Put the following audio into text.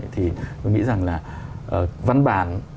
tôi nghĩ rằng là văn bản